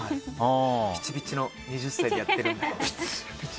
ピチピチの２０歳でやってるんで。